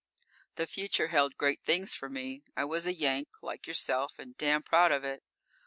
The future held great things for me. I was a Yank like yourself, and damn proud of it.